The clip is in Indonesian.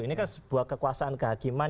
ini kan sebuah kekuasaan kehakiman